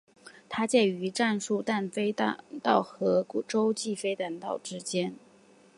它介于战术弹道飞弹和洲际弹道飞弹之间。